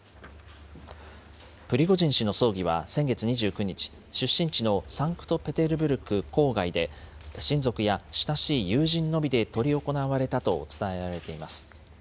プリゴジン氏の葬儀は先月２９日、出身地のサンクトペテルブルク郊外で、親族や親しい友人のみで執り行われたと伝えられています。